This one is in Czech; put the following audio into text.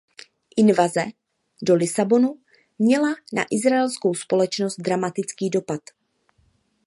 Invaze do Libanonu měla na izraelskou společnost dramatický dopad.